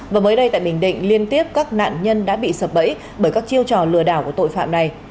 và mới đây tại bình định liên tiếp các nạn nhân đã bị sập bẫy bởi các chiêu trò lừa đảo của tội phạm này